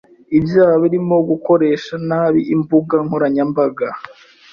ibyaha birimo gukoresha nabi imbuga nkoranyambaga